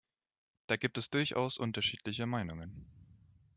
Da gibt es durchaus unterschiedliche Meinungen.